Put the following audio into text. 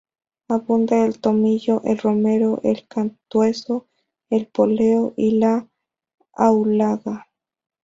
Abundan el tomillo, el romero, el cantueso, el poleo y la aulaga.